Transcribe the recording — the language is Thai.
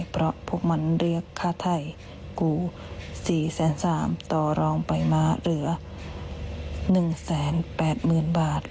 เพราะพวกมันเรียกค่าไทยกู๔๓๐๐ต่อรองไปมาเหลือ๑๘๐๐๐บาท